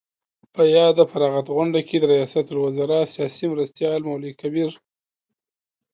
په یاده فراغت غونډه کې د ریاست الوزراء سیاسي مرستیال مولوي عبدالکبیر